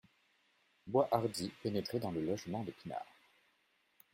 Boishardy pénétrait dans le logement de Pinard.